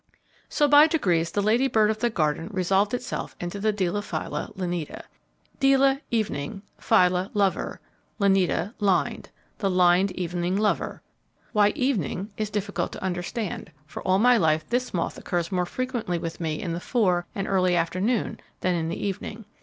So by degrees the Lady Bird of the garden resolved itself into Deilephila Lineata. Deile evening; phila lover; lineata lined; the Lined Evening Lover. Why 'evening' is difficult to understand, for all my life this moth occurs more frequently with me in the fore and early afternoon than in the evening.